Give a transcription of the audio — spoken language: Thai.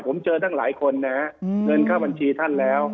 ผมเจอตั้งหลายคนนะฮะเงินเข้าบัญชีท่านแล้ว